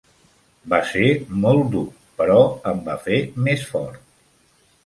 Va ser molt dur, però em va fer més fort.